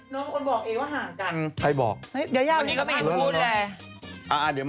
น้องคนบอกเองว่าห่างกันใครบอกยาย่าวันนี้ก็เป็นพูดเลย